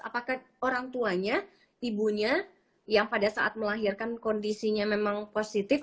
apakah orang tuanya ibunya yang pada saat melahirkan kondisinya memang positif